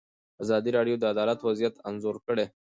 ازادي راډیو د عدالت وضعیت انځور کړی.